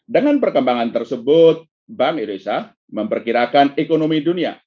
dengan perkembangan tersebut bank indonesia memperkirakan ekonomi dunia